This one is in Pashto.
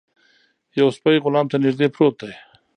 یو سپی غلام ته نږدې پروت دی.